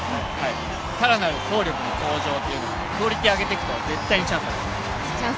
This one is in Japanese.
更なる走力の向上っていうのがクオリティーを上げていくと絶対にチャンスあります。